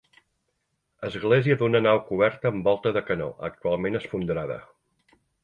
Església d'una nau coberta amb volta de canó, actualment esfondrada.